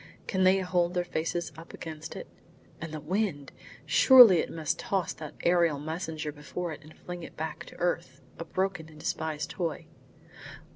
Can they hold their faces up against it? And the wind! Surely it must toss that aerial messenger before it and fling it back to earth, a broken and despised toy.